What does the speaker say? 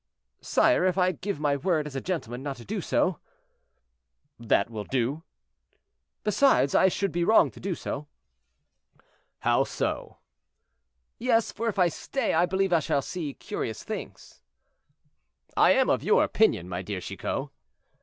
"Sire, if I give my word as a gentleman not to do so?" "That will do." "Besides, I should be wrong to do so." "How so?" "Yes; for if I stay, I believe I shall see curious things." "I am of your opinion, my dear Chicot."